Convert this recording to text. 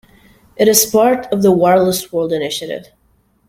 It is part of the Wireless World Initiative.